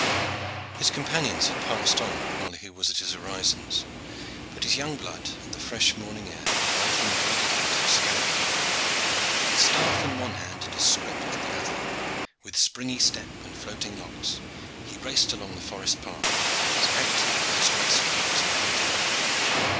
His companions had passed on whilst he was at his orisons; but his young blood and the fresh morning air both invited him to a scamper. His staff in one hand and his scrip in the other, with springy step and floating locks, he raced along the forest path, as active and as graceful as a young deer.